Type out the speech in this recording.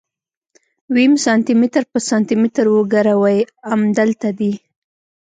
ويم سانتي متر په سانتي متر وګروئ امدلته دي.